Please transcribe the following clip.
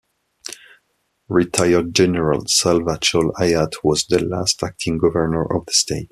Retired General Salva Chol Ayat was the last Acting governor of the state.